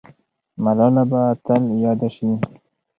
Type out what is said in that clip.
ملاله به تل یاده سي.